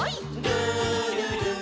「るるる」